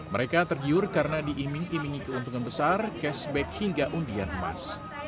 mereka tergiur karena diiming imingi keuntungan besar cashback hingga undian emas